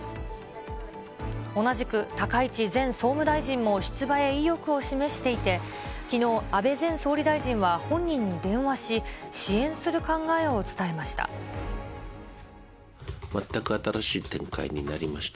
同じく、高市前総務大臣も出馬へ意欲を示していて、きのう、安倍前総理大臣は本人に電話し、支援する考えを伝えました。